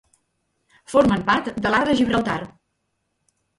Formen part de l'Arc de Gibraltar.